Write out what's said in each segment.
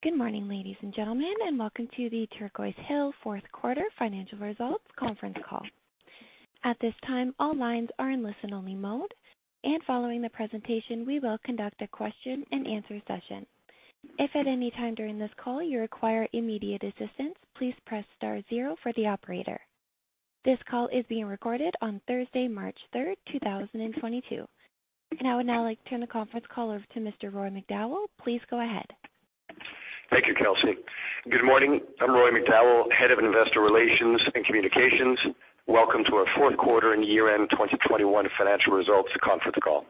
Good morning, ladies and gentlemen, and welcome to the Turquoise Hill fourth quarter financial results conference call. At this time, all lines are in listen-only mode, and following the presentation, we will conduct a question-and-answer session. If at any time during this call you require immediate assistance, please press star zero for the operator. This call is being recorded on Thursday, March 3rd 2022. I would now like to turn the conference call over to Mr. Roy McDowall. Please go ahead. Thank you, Kelsey. Good morning. I'm Roy McDowall, head of Investor Relations and Communications. Welcome to our fourth quarter and year-end 2021 financial results conference call.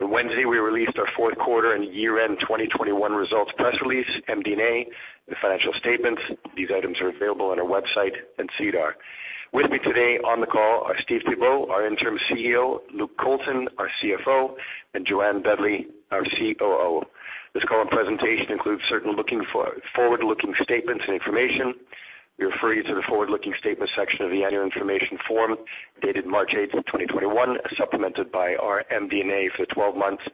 On Wednesday, we released our fourth quarter and year-end 2021 results press release, MD&A, the financial statements. These items are available on our website and SEDAR. With me today on the call are Steve Thibeault, our Interim CEO, Luke Colton, our CFO, and Jo-Anne Dudley, our COO. This call and presentation includes certain forward-looking statements and information. We refer you to the forward-looking statements section of the annual information form dated March 8th, 2021, supplemented by our MD&A for the 12 months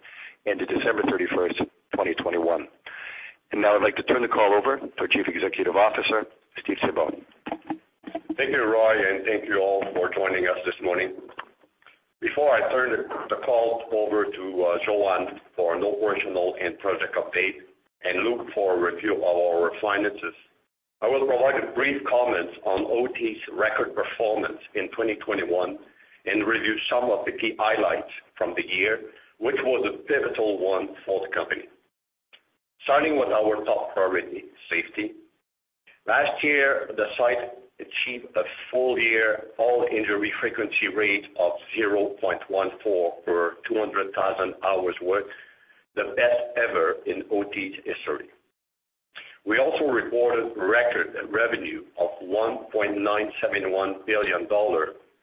ended December 31st, 2021. Now I'd like to turn the call over to our Chief Executive Officer, Steve Thibeault. Thank you, Roy, and thank you all for joining us this morning. Before I turn the call over to Jo-Anne for an operational and project update, and Luke for a review of our finances, I will provide a brief comment on OT's record performance in 2021 and review some of the key highlights from the year, which was a pivotal one for the company. Starting with our top priority, safety. Last year, the site achieved a full year all-injury frequency rate of 0.14 per 200,000 hours worked, the best ever in OT history. We also reported record revenue of $1.971 billion,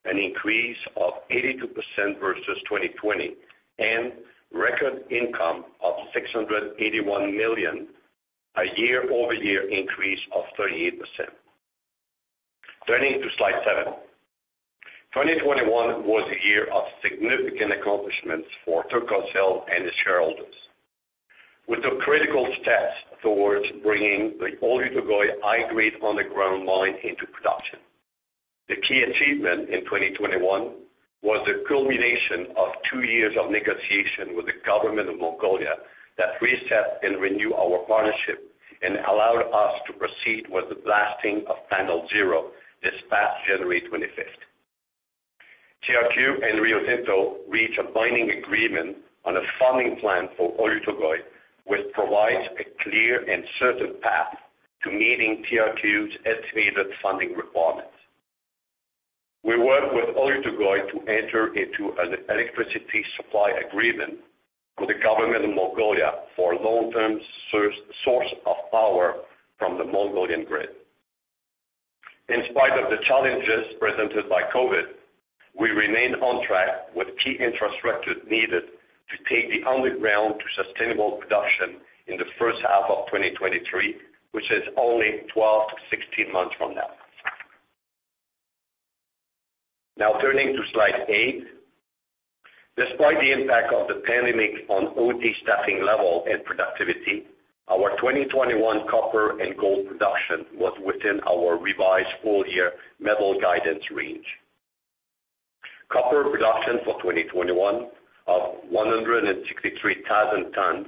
an increase of 82% versus 2020, and record income of $681 million, a year-over-year increase of 38%. Turning to slide seven. 2021 was a year of significant accomplishments for Turquoise Hill and its shareholders. We took critical steps towards bringing the Oyu Tolgoi high-grade underground mine into production. The key achievement in 2021 was the culmination of two years of negotiation with the government of Mongolia that reset and renew our partnership and allowed us to proceed with the blasting of Panel 0 this past January 25th. TRQ and Rio Tinto reached a binding agreement on a funding plan for Oyu Tolgoi, which provides a clear and certain path to meeting TRQ's estimated funding requirements. We worked with Oyu Tolgoi to enter into an electricity supply agreement with the government of Mongolia for a long-term source of power from the Mongolian grid. In spite of the challenges presented by COVID, we remain on track with key infrastructure needed to take the underground to sustainable production in the first half of 2023, which is only 12-16 months from now. Now turning to slide eight. Despite the impact of the pandemic on OT staffing level and productivity, our 2021 copper and gold production was within our revised full year metal guidance range. Copper production for 2021 of 163,000 tons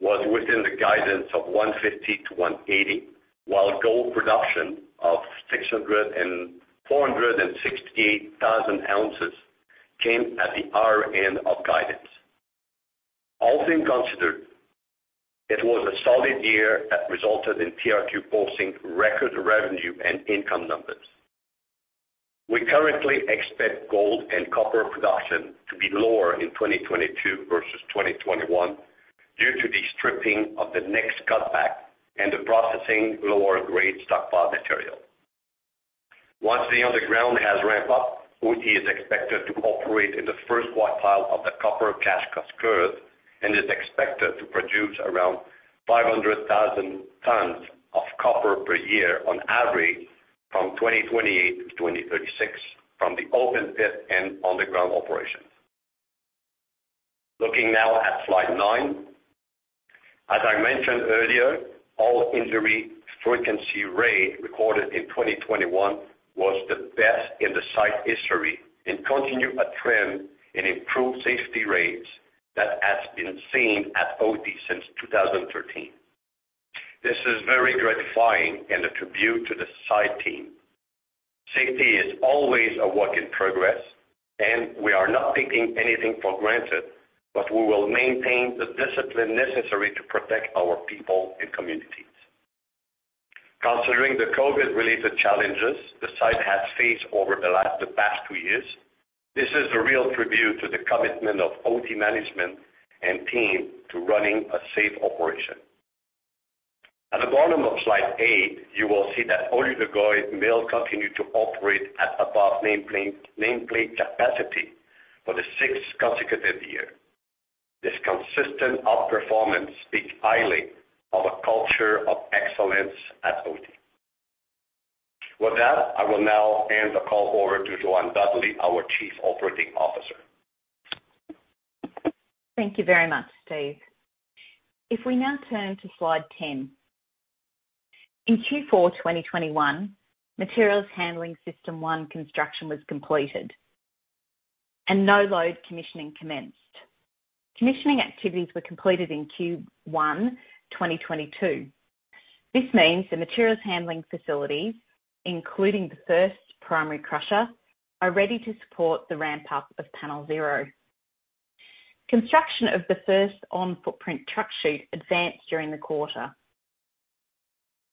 was within the guidance of 150-180, while gold production of 648,000 ounces came at the higher end of guidance. All things considered, it was a solid year that resulted in TRQ posting record revenue and income numbers. We currently expect gold and copper production to be lower in 2022 versus 2021 due to the stripping of the next cutback and the processing lower-grade stockpile material. Once the underground has ramped up, OT is expected to operate in the first quartile of the copper cash cost curve and is expected to produce around 500,000 tons of copper per year on average from 2028 to 2036 from the open pit and underground operations. Looking now at slide nine. As I mentioned earlier, all-injury frequency rate recorded in 2021 was the best in the site history and continue a trend in improved safety rates that has been seen at OT since 2013. This is very gratifying and a tribute to the site team. Safety is always a work in progress, and we are not taking anything for granted, but we will maintain the discipline necessary to protect our people and communities. Considering the COVID-related challenges the site has faced over the past two years, this is a real tribute to the commitment of OT management and team to running a safe operation. At the bottom of slide eight, you will see that Oyu Tolgoi will continue to operate at above nameplate capacity for the sixth consecutive year. This consistent outperformance speaks highly of a culture of excellence at OT. With that, I will now hand the call over to Jo-Anne Dudley, our Chief Operating Officer. Thank you very much, Steve. If we now turn to slide 10. In Q4 2021, Material Handling System 1 construction was completed and no-load commissioning commenced. Commissioning activities were completed in Q1 2022. This means the materials handling facilities, including the first primary crusher, are ready to support the ramp-up of Panel 0. Construction of the first on-footprint truck chute advanced during the quarter,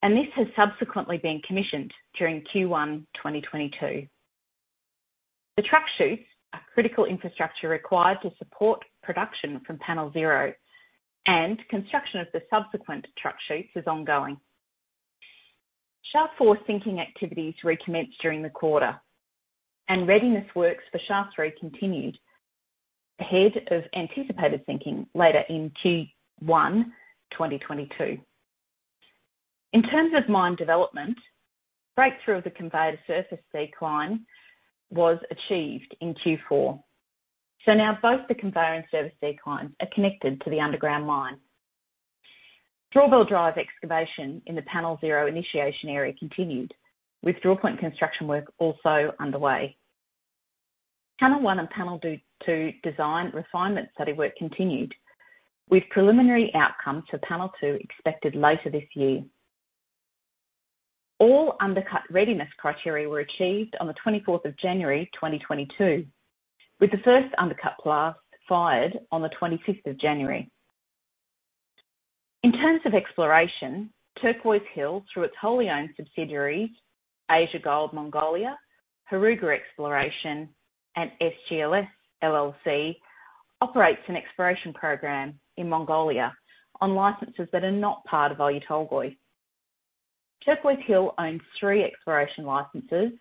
and this has subsequently been commissioned during Q1 2022. The truck chutes are critical infrastructure required to support production from Panel 0, and construction of the subsequent truck chutes is ongoing. Shaft 4 sinking activities recommenced during the quarter and readiness works for Shaft 3 continued ahead of anticipated sinking later in Q1 2022. In terms of mine development, breakthrough of the conveyor to surface decline was achieved in Q4. Now both the conveyor and surface declines are connected to the underground mine. Drawbell drive excavation in the Panel 0 initiation area continued, with draw point construction work also underway. Panel 1 and Panel 2 design refinement study work continued, with preliminary outcomes for Panel 2 expected later this year. All undercut readiness criteria were achieved on the 24th January, 2022, with the first undercut blast fired on the 25th January. In terms of exploration, Turquoise Hill, through its wholly owned subsidiaries, Asia Gold Mongolia, Heruga Exploration, and SGLS LLC, operates an exploration program in Mongolia on licenses that are not part of Oyu Tolgoi. Turquoise Hill owns three exploration licenses,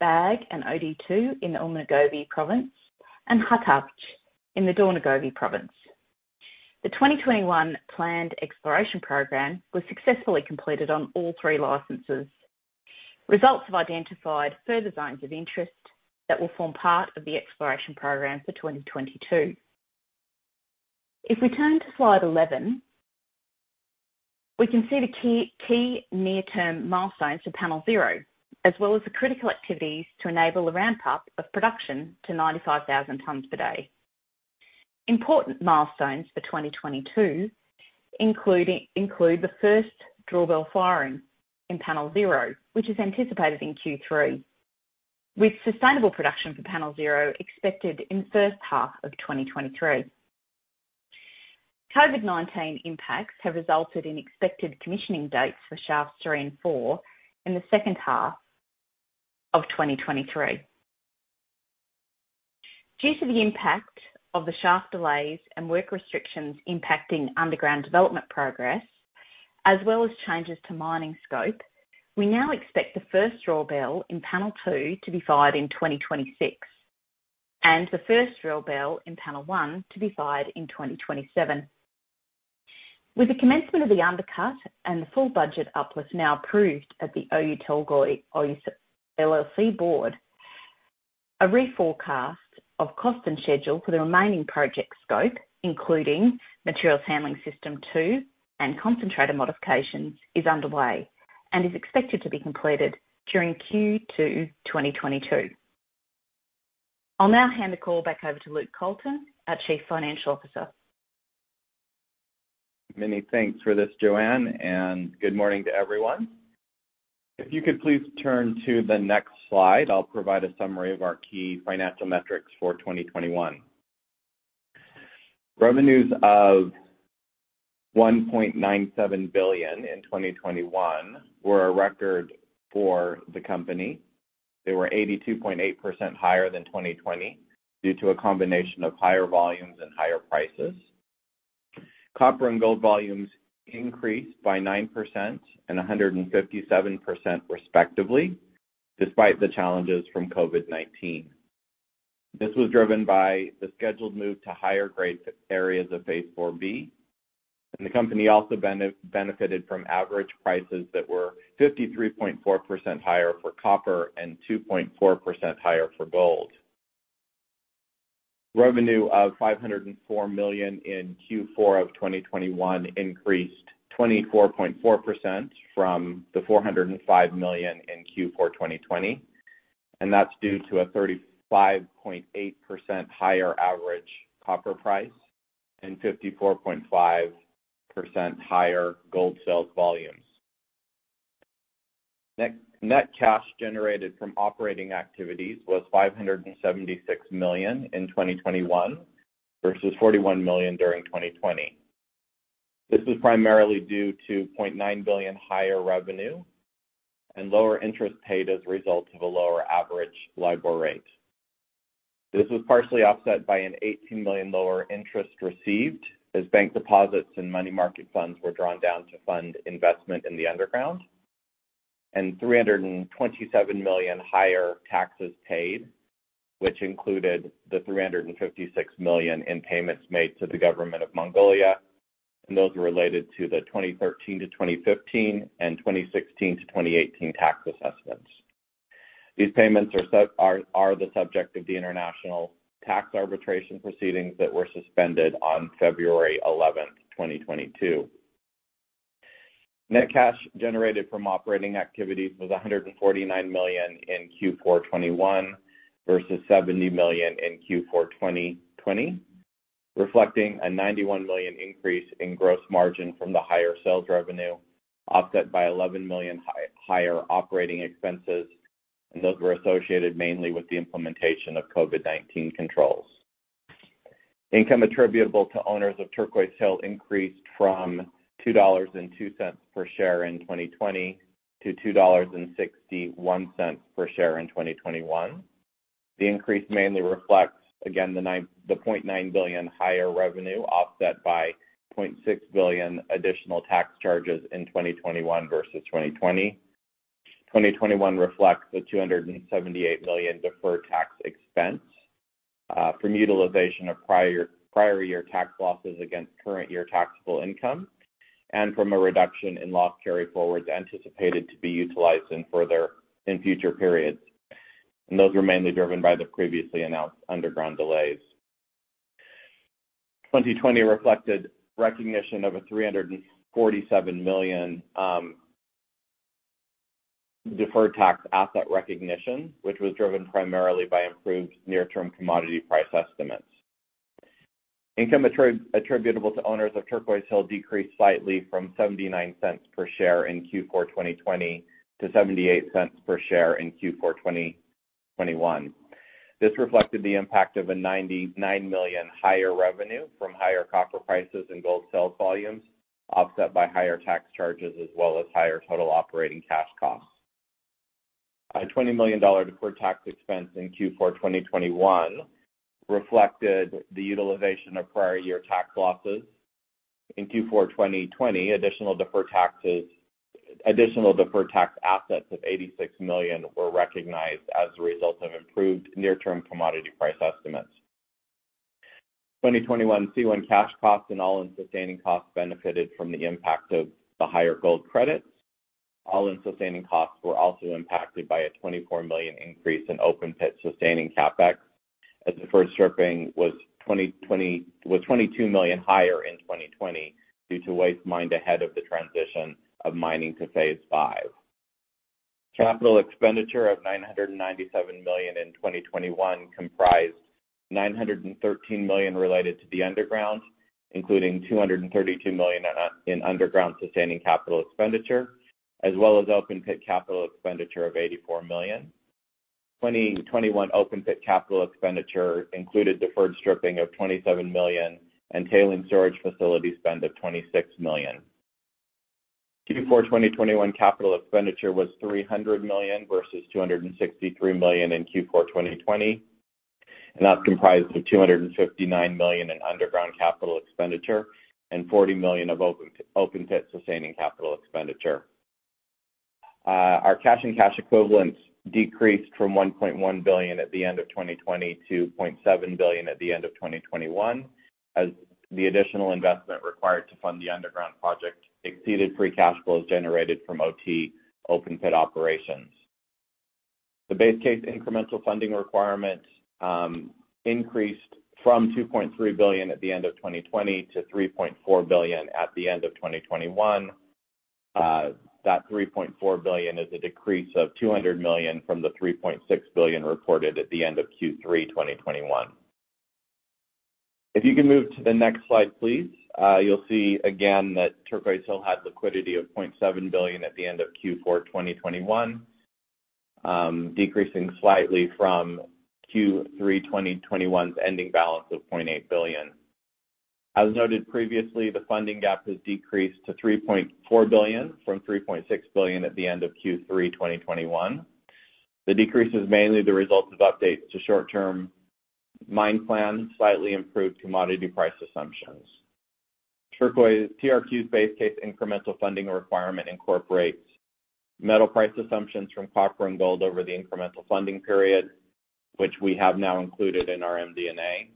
Bag and Od-2 in the Umnugovi Province and Khatavch in the Dornogovi Province. The 2021 planned exploration program was successfully completed on all three licenses. Results have identified further zones of interest that will form part of the exploration program for 2022. If we turn to slide 11, we can see the key near term milestones for Panel 0, as well as the critical activities to enable the ramp up of production to 95,000 tons per day. Important milestones for 2022 include the first drawbell firing in Panel 0, which is anticipated in Q3, with sustainable production for Panel 0 expected in first half of 2023. COVID-19 impacts have resulted in expected commissioning dates for Shafts 3 and 4 in the second half of 2023. Due to the impact of the shaft delays and work restrictions impacting underground development progress, as well as changes to mining scope, we now expect the first drawbell in Panel 2 to be fired in 2026 and the first drawbell in Panel 1 to be fired in 2027. With the commencement of the undercut and the full budget uplift now approved at the Oyu Tolgoi LLC board, a reforecast of cost and schedule for the remaining project scope, including Material Handling System 2 and concentrator modifications, is underway and is expected to be completed during Q2 2022. I'll now hand the call back over to Luke Colton, our Chief Financial Officer. Many thanks for this, Joanne, and good morning to everyone. If you could please turn to the next slide, I'll provide a summary of our key financial metrics for 2021. Revenues of $1.97 billion in 2021 were a record for the company. They were 82.8% higher than 2020 due to a combination of higher volumes and higher prices. Copper and gold volumes increased by 9% and 157%, respectively, despite the challenges from COVID-19. This was driven by the scheduled move to higher grade areas of Phase 4B, and the company also benefited from average prices that were 53.4% higher for copper and 2.4% higher for gold. Revenue of $504 million in Q4 of 2021 increased 24.4% from the $405 million in Q4 2020, and that's due to a 35.8% higher average copper price and 54.5% higher gold sales volumes. Net cash generated from operating activities was $576 million in 2021 versus $41 million during 2020. This was primarily due to $0.9 billion higher revenue and lower interest paid as a result of a lower average LIBOR rate. This was partially offset by an $18 million lower interest received as bank deposits and money market funds were drawn down to fund investment in the underground and $327 million higher taxes paid, which included the $356 million in payments made to the government of Mongolia, and those were related to the 2013-2015 and 2016-2018 tax assessments. These payments are the subject of the international tax arbitration proceedings that were suspended on February 11th, 2022. Net cash generated from operating activities was $149 million in Q4 2021 versus $70 million in Q4 2020, reflecting a $91 million increase in gross margin from the higher sales revenue, offset by $11 million higher operating expenses, and those were associated mainly with the implementation of COVID-19 controls. Income attributable to owners of Turquoise Hill increased from $2.02 per share in 2020 to $2.61 per share in 2021. The increase mainly reflects again the $0.9 billion higher revenue, offset by $0.6 billion additional tax charges in 2021 versus 2020. 2021 reflects the $278 million deferred tax expense from utilization of prior year tax losses against current year taxable income and from a reduction in loss carryforwards anticipated to be utilized in future periods. Those were mainly driven by the previously announced underground delays. 2020 reflected recognition of a $347 million deferred tax asset recognition, which was driven primarily by improved near-term commodity price estimates. Income attributable to owners of Turquoise Hill decreased slightly from $0.79 per share in Q4 2020 to $0.78 per share in Q4 2021. This reflected the impact of $99 million higher revenue from higher copper prices and gold sales volumes, offset by higher tax charges as well as higher total operating cash costs. A $20 million deferred tax expense in Q4 2021 reflected the utilization of prior year tax losses. In Q4 2020, additional deferred tax assets of $86 million were recognized as a result of improved near-term commodity price estimates. 2021 C1 cash costs and all-in sustaining costs benefited from the impact of the higher gold credits. All-in sustaining costs were also impacted by a $24 million increase in open pit sustaining CapEx, as deferred stripping was $22 million higher in 2020 due to waste mined ahead of the transition of mining to Phase 5. Capital expenditure of $997 million in 2021 comprised $913 million related to the underground, including $232 million in underground sustaining capital expenditure, as well as open pit capital expenditure of $84 million. 2021 open pit capital expenditure included deferred stripping of $27 million and tailings storage facility spend of $26 million. Q4 2021 capital expenditure was $300 million versus $263 million in Q4 2020, and that's comprised of $259 million in underground capital expenditure and $40 million of open pit sustaining capital expenditure. Our cash and cash equivalents decreased from $1.1 billion at the end of 2020 to $0.7 billion at the end of 2021, as the additional investment required to fund the underground project exceeded free cash flows generated from OT open pit operations. The base case incremental funding requirement increased from $2.3 billion at the end of 2020 to $3.4 billion at the end of 2021. That $3.4 billion is a decrease of $200 million from the $3.6 billion reported at the end of Q3 2021. If you can move to the next slide, please. You'll see again that Turquoise Hill had liquidity of $0.7 billion at the end of Q4 2021, decreasing slightly from Q3 2021's ending balance of $0.8 billion. As noted previously, the funding gap has decreased to $3.4 billion from $3.6 billion at the end of Q3 2021. The decrease is mainly the result of updates to short-term mine plan, slightly improved commodity price assumptions. TRQ's base case incremental funding requirement incorporates metal price assumptions from copper and gold over the incremental funding period, which we have now included in our MD&A.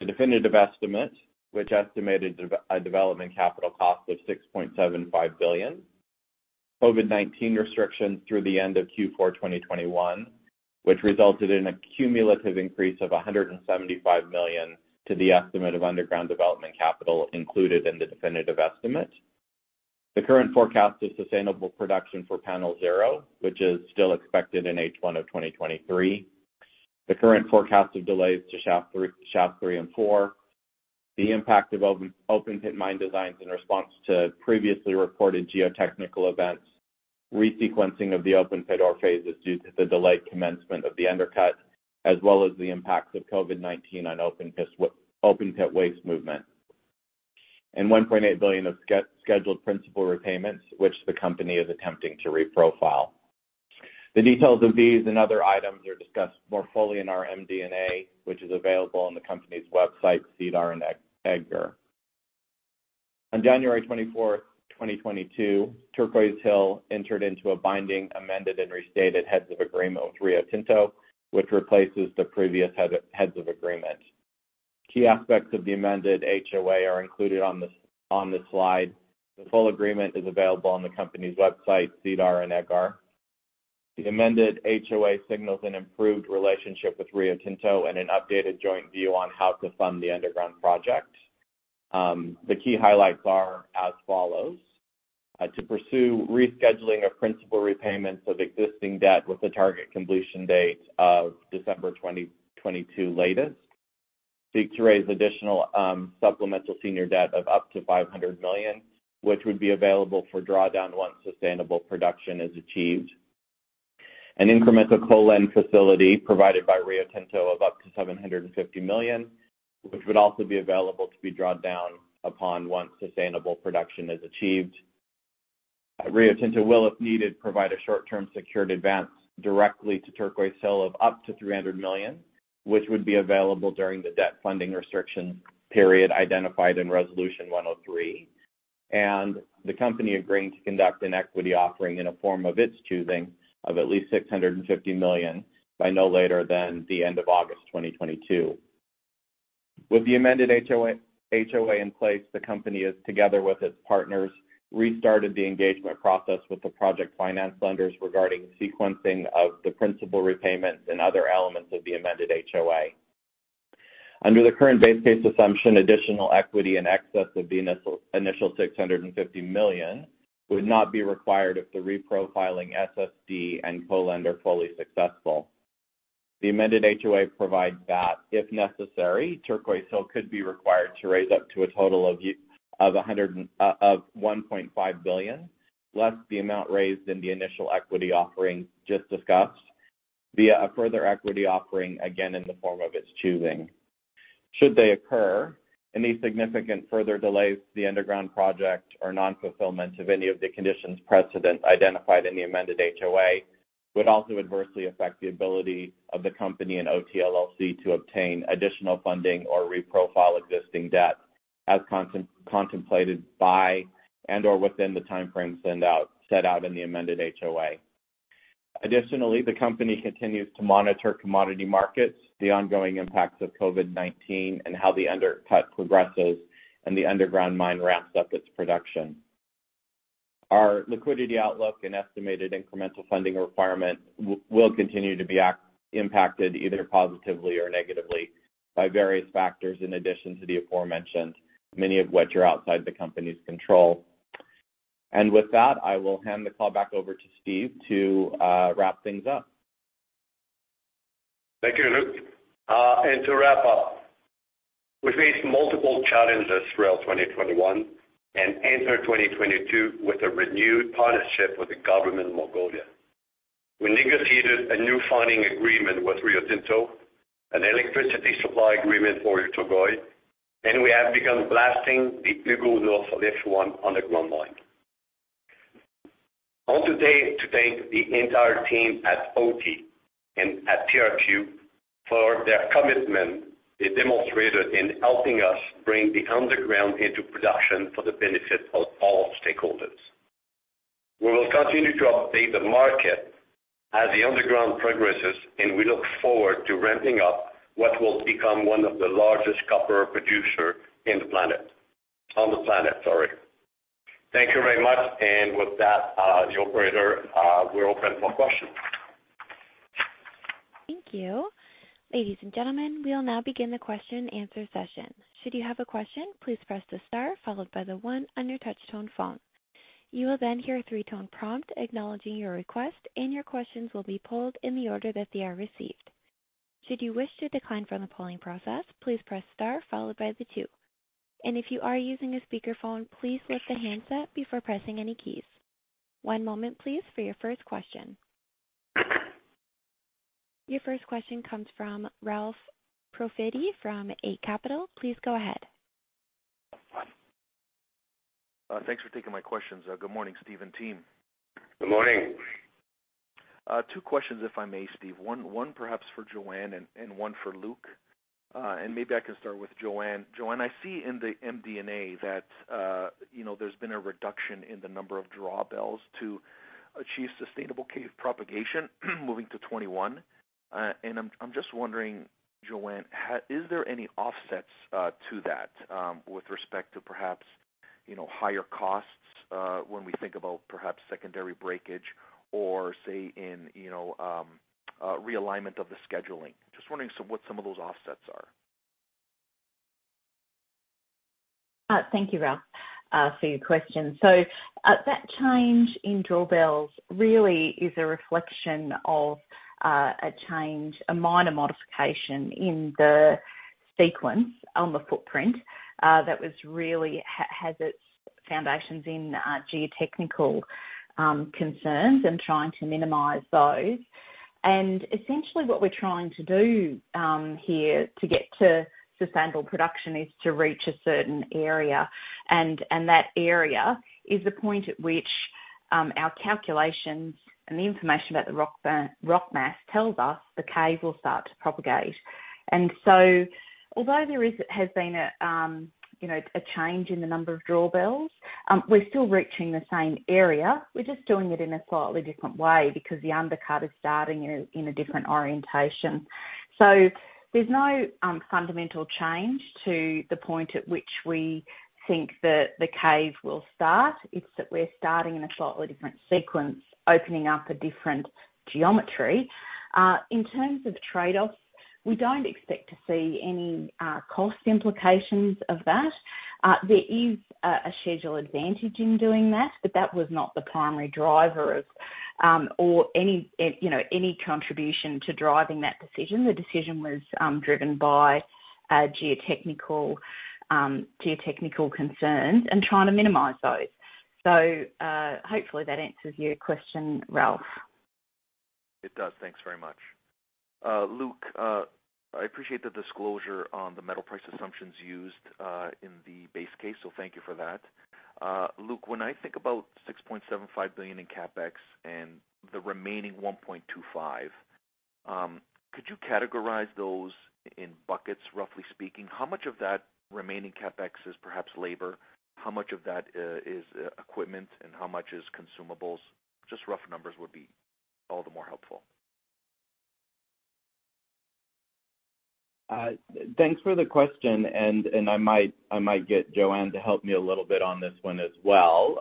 The definitive estimate, which estimated a development capital cost of $6.75 billion. COVID-19 restrictions through the end of Q4 2021, which resulted in a cumulative increase of $175 million to the estimate of underground development capital included in the definitive estimate. The current forecast of sustainable production for Panel 0, which is still expected in H1 2023. The current forecast of delays to Shaft 3 and Shaft 4. The impact of open pit mine designs in response to previously reported geotechnical events. Re-sequencing of the open pit ore phases due to the delayed commencement of the undercut, as well as the impacts of COVID-19 on open pit waste movement. $1.8 billion of scheduled principal repayments, which the company is attempting to reprofile. The details of these and other items are discussed more fully in our MD&A, which is available on the company's website, SEDAR, and EDGAR. On January 24th, 2022, Turquoise Hill entered into a binding, amended, and restated Heads of Agreement with Rio Tinto, which replaces the previous Heads of Agreement. Key aspects of the Amended HoA are included on this slide. The full agreement is available on the company's website, SEDAR, and EDGAR. The Amended HoA signals an improved relationship with Rio Tinto and an updated joint view on how to fund the underground project. The key highlights are as follows. To pursue rescheduling of principal repayments of existing debt with a target completion date of December 2022 latest. Seek to raise additional supplemental senior debt of up to $500 million, which would be available for drawdown once sustainable production is achieved. An incremental co-lending facility provided by Rio Tinto of up to $750 million, which would also be available to be drawn down upon once sustainable production is achieved. Rio Tinto will, if needed, provide a short-term secured advance directly to Turquoise Hill of up to $300 million, which would be available during the debt funding restriction period identified in Resolution 103. The company agreeing to conduct an equity offering in a form of its choosing of at least $650 million by no later than the end of August 2022. With the Amended HoA in place, the company is together with its partners, restarted the engagement process with the project finance lenders regarding sequencing of the principal repayments and other elements of the Amended HoA. Under the current base case assumption, additional equity in excess of the initial $650 million would not be required if the reprofiling SSD and co-lending are fully successful. The Amended HoA provides that, if necessary, Turquoise Hill could be required to raise up to a total of $1.5 billion, less the amount raised in the initial equity offering just discussed via a further equity offering, again, in the form of its choosing. Should they occur, any significant further delays to the underground project or non-fulfillment of any of the conditions precedent identified in the amended HoA would also adversely affect the ability of the company and OT Tolgoi LLC to obtain additional funding or reprofile existing debt as contemplated by and/or within the timeframes set out in the amended HoA. Additionally, the company continues to monitor commodity markets, the ongoing impacts of COVID-19, and how the undercut progresses and the underground mine ramps up its production. Our liquidity outlook and estimated incremental funding requirement will continue to be impacted, either positively or negatively, by various factors in addition to the aforementioned, many of which are outside the company's control. With that, I will hand the call back over to Steve to wrap things up. Thank you, Luke. To wrap up, we faced multiple challenges throughout 2021 and entered 2022 with a renewed partnership with the government of Mongolia. We negotiated a new funding agreement with Rio Tinto, an electricity supply agreement for Oyu Tolgoi, and we have begun blasting the Hugo North Lift 1 underground mine. I want today to thank the entire team at OT and at TRQ for their commitment they demonstrated in helping us bring the underground into production for the benefit of all stakeholders. We will continue to update the market as the underground progresses, and we look forward to ramping up what will become one of the largest copper producer on the planet. Sorry. Thank you very much. With that, the operator, we're open for questions. Thank you. Ladies and gentlemen, we will now begin the question-and-answer session. Should you have a question, please press the star followed by the one on your touch tone phone. You will then hear a three-tone prompt acknowledging your request, and your questions will be pulled in the order that they are received. Should you wish to decline from the polling process, please press star followed by the two. If you are using a speakerphone, please lift the handset before pressing any keys. One moment please for your first question. Your first question comes from Ralph Profiti from Eight Capital. Please go ahead. Thanks for taking my questions. Good morning, Steve and team. Good morning. Two questions if I may, Steve. One perhaps for Jo-Anne and one for Luke. Maybe I can start with Jo-Anne. Jo-Anne, I see in the MD&A that you know, there's been a reduction in the number of drawbells to achieve sustainable cave propagation moving to 21. I'm just wondering, Jo-Anne, is there any offsets to that with respect to perhaps you know, higher costs when we think about perhaps secondary breakage or say in you know, realignment of the scheduling. Just wondering what some of those offsets are. Thank you, Ralph, for your question. That change in drawbells really is a reflection of a change, a minor modification in the sequence on the footprint that really has its foundations in geotechnical concerns and trying to minimize those. Essentially what we're trying to do here to get to sustainable production is to reach a certain area, and that area is the point at which- Our calculations and the information about the rock mass tells us the cave will start to propagate. Although there has been a you know a change in the number of drawbells, we're still reaching the same area. We're just doing it in a slightly different way because the undercut is starting in a different orientation. There's no fundamental change to the point at which we think that the cave will start. It's that we're starting in a slightly different sequence, opening up a different geometry. In terms of trade-offs, we don't expect to see any cost implications of that. There is a schedule advantage in doing that, but that was not the primary driver of or any you know contribution to driving that decision. The decision was driven by geotechnical concerns and trying to minimize those. Hopefully, that answers your question, Ralph. It does. Thanks very much. Luke, I appreciate the disclosure on the metal price assumptions used in the base case, so thank you for that. Luke, when I think about $6.75 billion in CapEx and the remaining $1.25 billion, could you categorize those in buckets roughly speaking, how much of that remaining CapEx is perhaps labor? How much of that is equipment, and how much is consumables? Just rough numbers would be all the more helpful. Thanks for the question, and I might get Jo-Anne to help me a little bit on this one as well.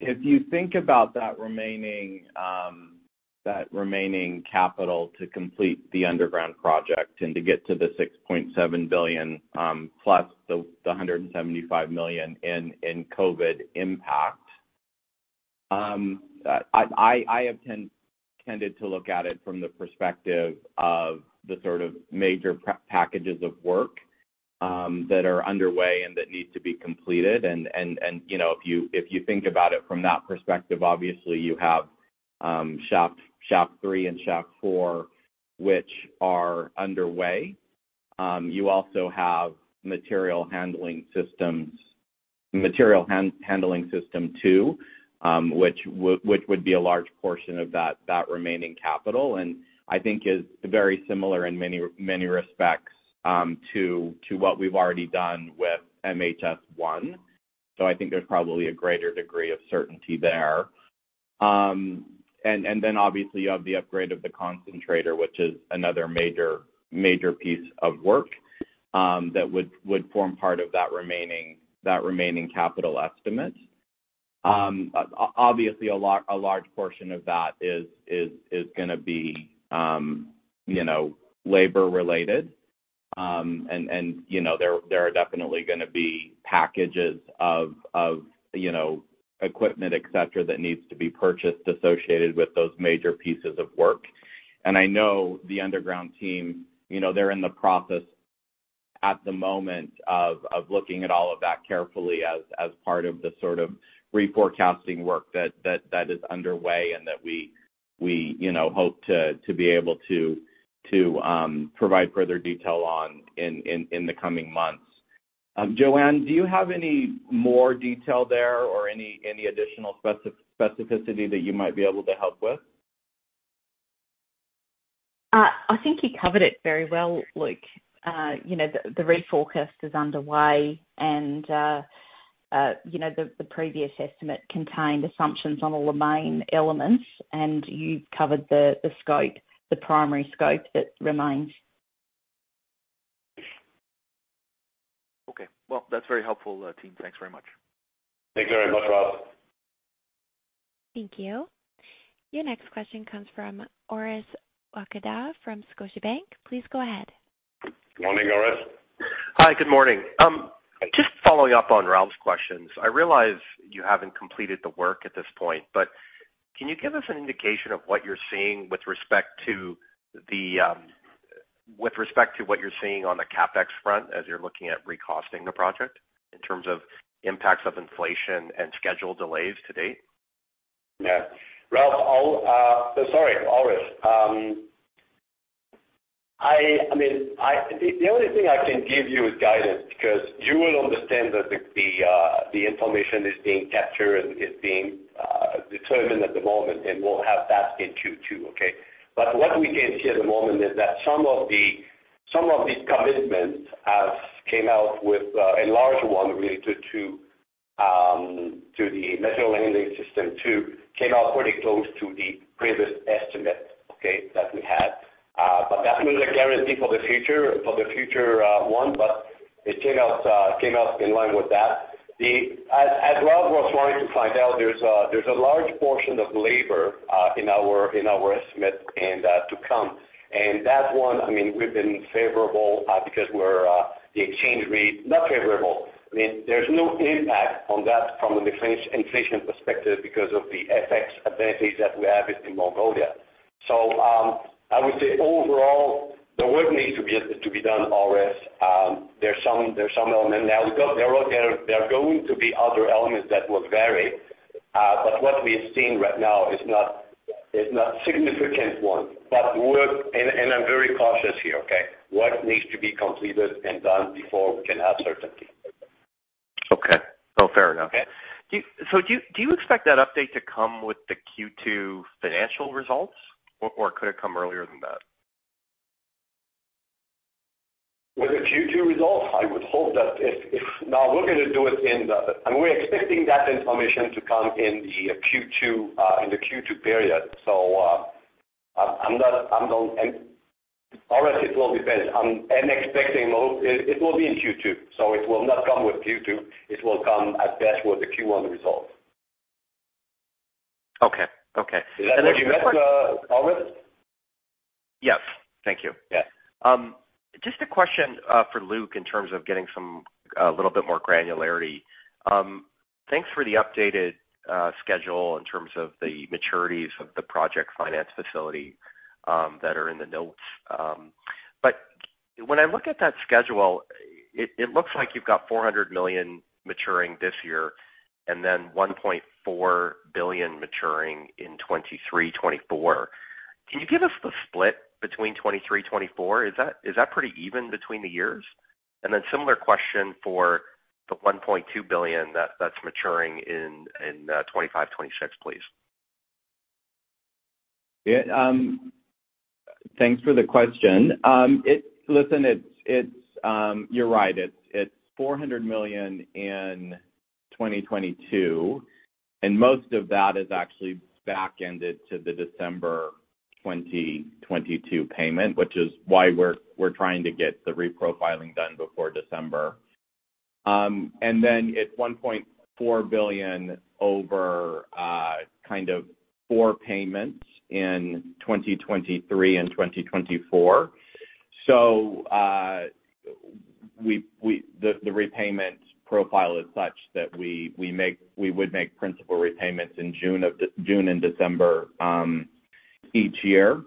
If you think about that remaining capital to complete the underground project and to get to the $6.7 billion, plus the $175 million in COVID impact, I have tended to look at it from the perspective of the sort of major packages of work that are underway and that need to be completed. You know, if you think about it from that perspective, obviously you have Shaft 3 and Shaft 4, which are underway. You also have material handling systems, Material Handling System 2, which would be a large portion of that remaining capital, and I think is very similar in many respects to what we've already done with MHS1. I think there's probably a greater degree of certainty there. Then obviously, you have the upgrade of the concentrator, which is another major piece of work that would form part of that remaining capital estimate. Obviously, a large portion of that is gonna be, you know, labor-related. You know, there are definitely gonna be packages of, you know, equipment, et cetera, that needs to be purchased associated with those major pieces of work. I know the underground team, you know, they're in the process at the moment of looking at all of that carefully as part of the sort of reforecasting work that is underway and that we, you know, hope to be able to provide further detail on in the coming months. Jo-Anne, do you have any more detail there or any additional specificity that you might be able to help with? I think you covered it very well, Luke. You know, the reforecast is underway and, you know, the previous estimate contained assumptions on all the main elements, and you've covered the scope, the primary scope that remains. Okay. Well, that's very helpful, team. Thanks very much. Thank you very much, Ralph. Thank you. Your next question comes from Orest Wowkodaw from Scotiabank. Please go ahead. Morning, Orest. Hi, good morning. Just following up on Ralph's questions. I realize you haven't completed the work at this point, but can you give us an indication of what you're seeing with respect to the CapEx front as you're looking at recosting the project in terms of impacts of inflation and schedule delays to date? Ralph, I'll. Sorry, Orest. I mean, the only thing I can give you is guidance because you will understand that the information is being captured and is being determined at the moment, and we'll have that in Q2, okay? What we can see at the moment is that some of these commitments have come out with a large one related to the Material Handling System 2 came out pretty close to the previous estimate, okay, that we had. That's not a guarantee for the future one, but it came out in line with that. As Ralph was wanting to find out, there's a large portion of labor in our estimate and to come. that one, I mean, we've been favorable because the exchange rate is not favorable. I mean, there's no impact on that from an inflation perspective because of the FX advantage that we have in Mongolia. I would say overall, the work needs to be done, Orest. There's some element. Now, we got there. There are going to be other elements that will vary. What we've seen right now is not significant one. I'm very cautious here, okay? What needs to be completed and done before we can have certainty. Okay. Oh, fair enough. Yeah. Do you expect that update to come with the Q2 financial results or could it come earlier than that? With the Q2 results, I would hope that if. Now, we're expecting that information to come in the Q2, in the Q2 period. So, I'm not or it will depend. I'm expecting though it will be in Q2, so it will not come with Q2. It will come at best with the Q1 results. Okay. Okay. Did you get all of it? Yes. Thank you. Yeah. Just a question for Luke in terms of getting some little bit more granularity. Thanks for the updated schedule in terms of the maturities of the project finance facility that are in the notes. When I look at that schedule, it looks like you've got $400 million maturing this year, and then $1.4 billion maturing in 2023, 2024. Can you give us the split between 2023, 2024? Is that pretty even between the years? Similar question for the $1.2 billion that's maturing in 2025, 2026, please. Yeah. Thanks for the question. It's, you're right. It's $400 million in 2022, and most of that is actually backended to the December 2022 payment, which is why we're trying to get the reprofiling done before December. It's $1.4 billion over kind of four payments in 2023 and 2024. The repayment profile is such that we would make principal repayments in June and December each year.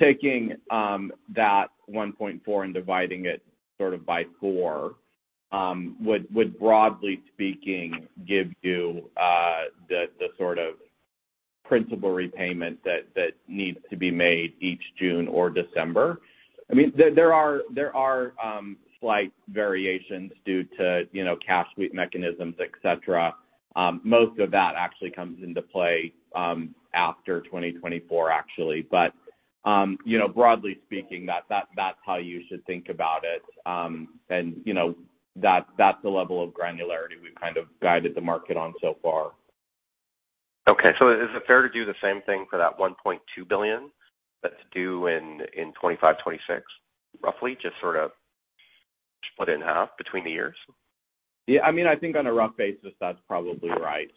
Taking that $1.4 billion and dividing it sort of by four would broadly speaking give you the sort of principal repayment that needs to be made each June or December. I mean, there are slight variations due to, you know, cash sweep mechanisms, et cetera. Most of that actually comes into play after 2024, actually. You know, broadly speaking, that's how you should think about it. You know, that's the level of granularity we've kind of guided the market on so far. Okay. Is it fair to do the same thing for that $1.2 billion that's due in 2025, 2026, roughly? Just sort of split it in half between the years? Yeah. I mean, I think on a rough basis, that's probably right.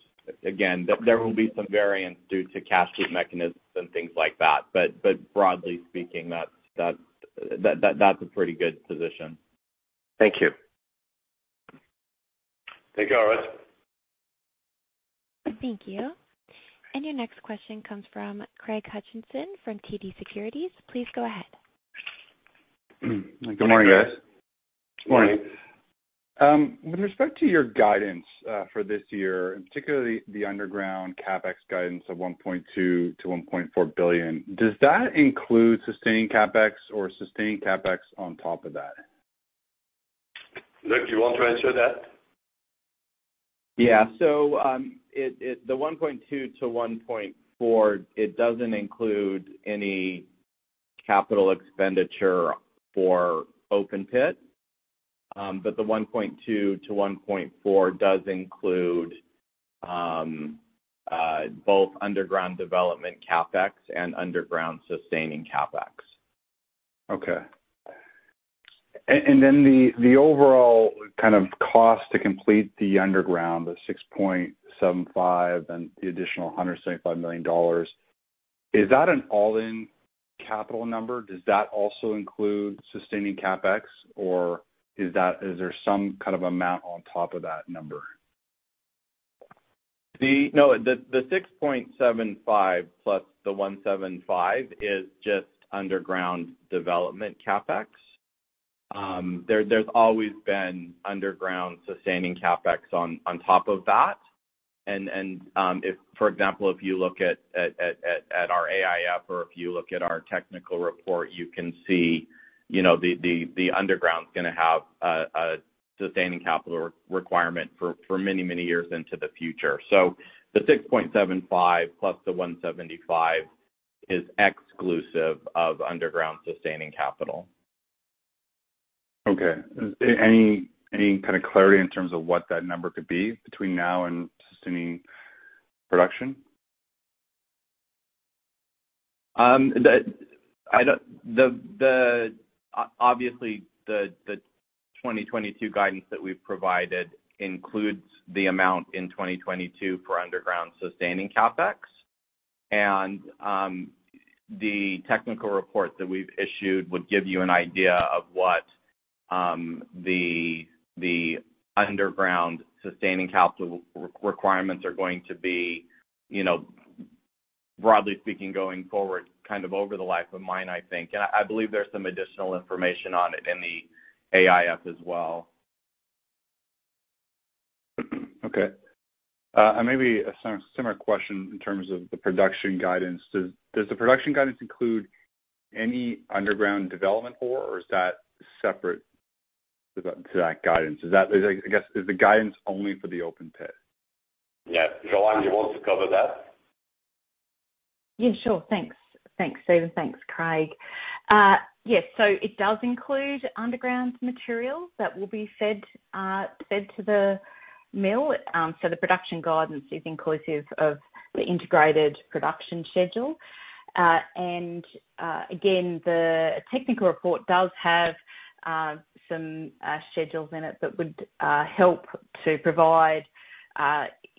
Again, there will be some variance due to cash sweep mechanisms and things like that. But broadly speaking, that's a pretty good position. Thank you. Thank you, Orest Wowkodaw. Thank you. Your next question comes from Craig Hutchison from TD Securities. Please go ahead. Good morning, guys. Morning. With respect to your guidance, for this year, and particularly the underground CapEx guidance of $1.2 billion-$1.4 billion, does that include sustaining CapEx or sustaining CapEx on top of that? Luke, do you want to answer that? The $1.2-$1.4 billion doesn't include any capital expenditure for open pit. But the $1.2-$1.4 billion does include both underground development CapEx and underground sustaining CapEx. Okay. Then the overall kind of cost to complete the underground, the $6.75 billion and the additional $175 million, is that an all-in capital number? Does that also include sustaining CapEx, or is there some kind of amount on top of that number? No. The $6.75 billion plus $1.75 billion is just underground development CapEx. There's always been underground sustaining CapEx on top of that. If, for example, you look at our AIF or if you look at our technical report, you can see the underground's gonna have a sustaining capital requirement for many years into the future. The $6.75 billion plus $1.75 billion is exclusive of underground sustaining capital. Okay. Any kind of clarity in terms of what that number could be between now and sustaining production? Obviously, the 2022 guidance that we've provided includes the amount in 2022 for underground sustaining CapEx. The technical report that we've issued would give you an idea of what the underground sustaining capital requirements are going to be, you know. Broadly speaking, going forward kind of over the life of mine, I think. I believe there's some additional information on it in the AIF as well. Okay. Maybe a similar question in terms of the production guidance. Does the production guidance include any underground development ore, or is that separate to that guidance? I guess, is the guidance only for the open pit? Yeah. Jo-Anne, do you want to cover that? Yeah, sure. Thanks. Thanks, Steve. Thanks, Craig. Yes. It does include underground materials that will be fed to the mill. The production guidance is inclusive of the integrated production schedule. Again, the technical report does have some schedules in it that would help to provide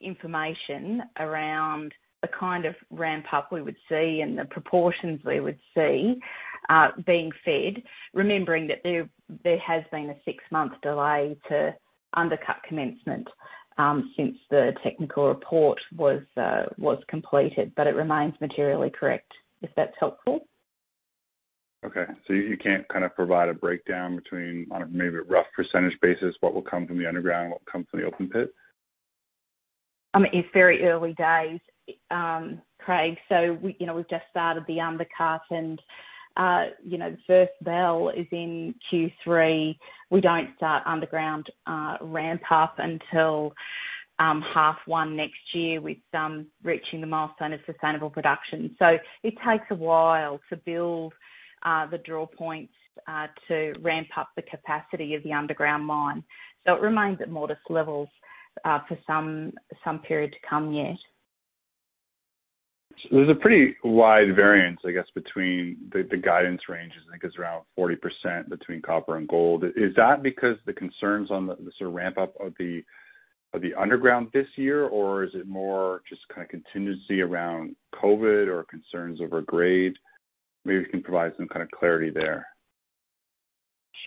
information around the kind of ramp-up we would see and the proportions we would see being fed, remembering that there has been a six-month delay to undercut commencement since the technical report was completed, but it remains materially correct, if that's helpful. You can't kind of provide a breakdown between, on a maybe a rough percentage basis, what will come from the underground and what will come from the open pit? It's very early days, Craig. We, you know, we've just started the undercut and, you know, the first drawbell is in Q3. We don't start underground ramp-up until H1 next year with reaching the milestone of sustainable production. It takes a while to build the draw points to ramp up the capacity of the underground mine. It remains at modest levels for some period to come yet. There's a pretty wide variance, I guess, between the guidance ranges. I think it's around 40% between copper and gold. Is that because the concerns on the sort of ramp-up of the underground this year, or is it more just kind of contingency around COVID or concerns over grade? Maybe you can provide some kind of clarity there.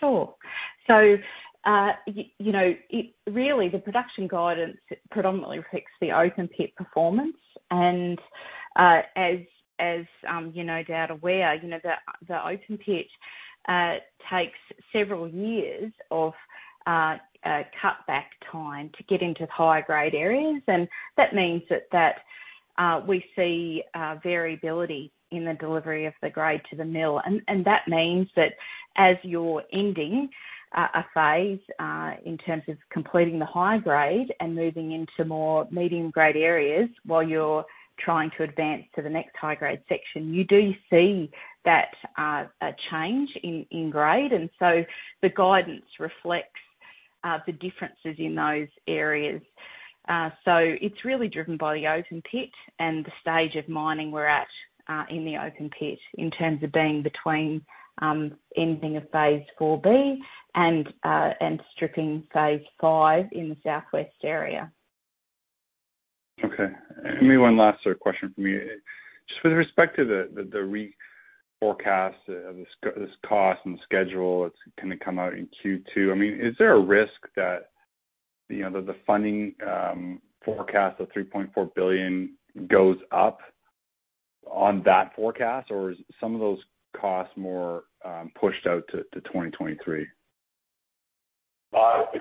Sure. You know, really, the production guidance predominantly reflects the open pit performance. As you're no doubt aware, you know, the open pit takes several years of cutback time to get into the higher grade areas. That means that we see variability in the delivery of the grade to the mill. That means that as you're ending a phase in terms of completing the high grade and moving into more medium grade areas while you're trying to advance to the next high grade section, you do see that a change in grade. The guidance reflects the differences in those areas. It's really driven by the open pit and the stage of mining we're at in the open pit in terms of being between ending of Phase 4B and stripping Phase 5 in the southwest area. Okay. Maybe one last sort of question from me. Just with respect to the reforecast, this cost and schedule, it's gonna come out in Q2. I mean, is there a risk that, you know, the funding forecast of $3.4 billion goes up on that forecast, or is some of those costs more pushed out to 2023?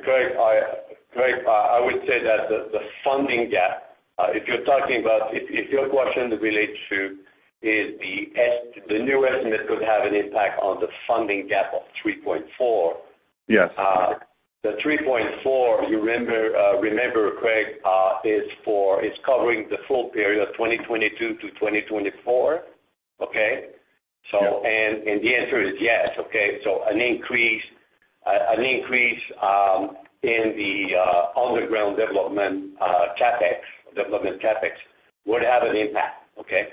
Craig, I would say that the funding gap, if you're talking about, if your question relates to is the new estimate could have an impact on the funding gap of $3.4- Yes. The $3.4, you remember, Craig, is covering the full period of 2022-2024. Okay? Yeah. The answer is yes. Okay? An increase in the underground development CapEx, development CapEx would have an impact. Okay?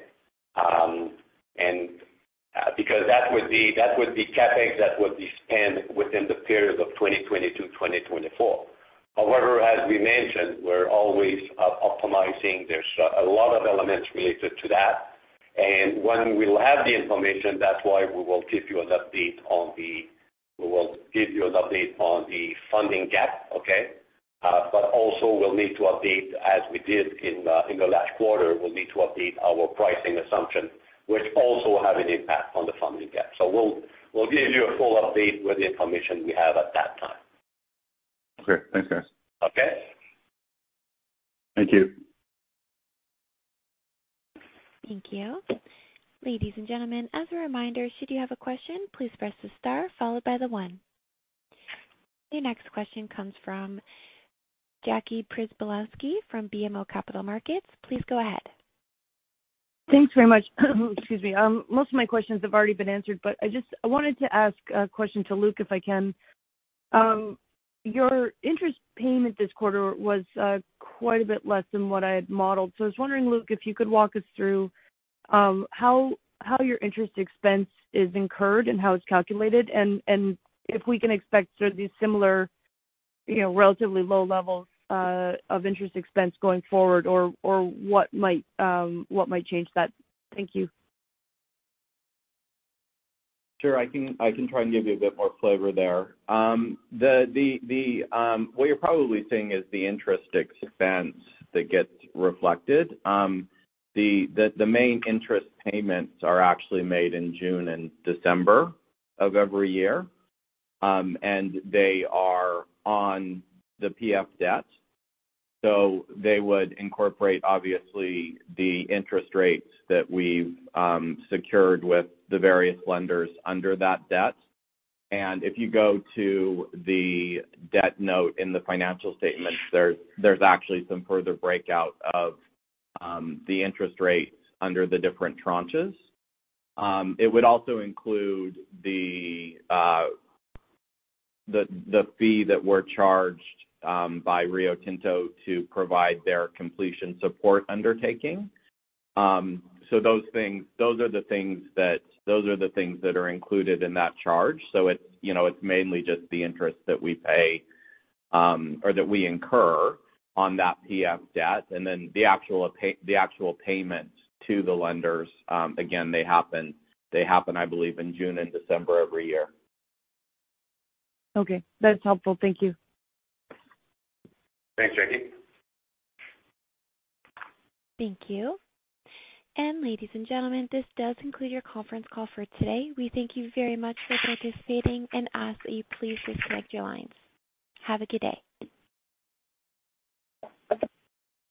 Because that would be CapEx that would be spent within the period of 2022-2024. However, as we mentioned, we're always optimizing. There's a lot of elements related to that. When we'll have the information, that's why we will give you an update on the funding gap, okay? But also we'll need to update, as we did in the last quarter, we'll need to update our pricing assumption, which also will have an impact on the funding gap. We'll give you a full update with the information we have at that time. Okay. Thanks, guys. Okay. Thank you. Thank you. Ladies and gentlemen, as a reminder, should you have a question, please press the star followed by the one. Your next question comes from Jackie Przybylowski from BMO Capital Markets. Please go ahead. Thanks very much. Excuse me. Most of my questions have already been answered, but I just wanted to ask a question to Luke, if I can. Your interest payment this quarter was quite a bit less than what I had modeled. I was wondering, Luke, if you could walk us through how your interest expense is incurred and how it's calculated, and if we can expect sort of these similar, you know, relatively low levels of interest expense going forward or what might change that? Thank you. Sure. I can try and give you a bit more flavor there. What you're probably seeing is the interest expense that gets reflected. The main interest payments are actually made in June and December of every year, and they are on the PF debt. They would incorporate obviously the interest rates that we've secured with the various lenders under that debt. If you go to the debt note in the financial statements, there's actually some further breakout of the interest rates under the different tranches. It would also include the fee that we're charged by Rio Tinto to provide their completion support undertaking. Those are the things that are included in that charge. It's, you know, it's mainly just the interest that we pay, or that we incur on that PF debt. The actual payments to the lenders, again, they happen, I believe, in June and December every year. Okay. That's helpful. Thank you. Thanks, Jackie. Thank you. Ladies and gentlemen, this does conclude your conference call for today. We thank you very much for participating and ask that you please disconnect your lines. Have a good day.